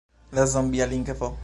La zombia lingvo.